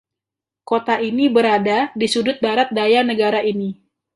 Kota ini berada di sudut barat daya negara ini.